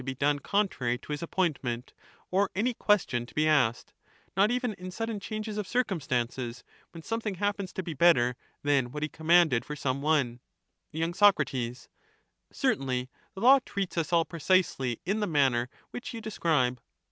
be done contrary to his appointment, or any question to be Law is like asked — not even in sudden changes of circumstances, when ^^^ ^^^j something happens to be better than what he commanded for ignorant some one. tyrant. Y. Soc, Certainly ; the law treats us all precisely in the manner which you describe.